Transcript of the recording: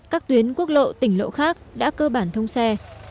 các tuyến quốc lộ tỉnh lộ khác đã cơ bản thông xe